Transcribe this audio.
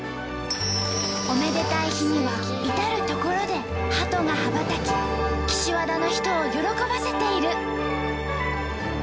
おめでたい日には至る所でハトが羽ばたき岸和田の人を喜ばせている。